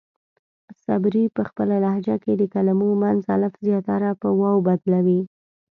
صبري پۀ خپله لهجه کې د کلمو منځ الف زياتره پۀ واو بدلوي.